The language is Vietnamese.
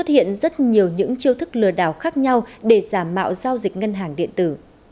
hiện rất nhiều những chiêu thức lừa đảo khác nhau để giảm mạo giao dịch ngân hàng điện tử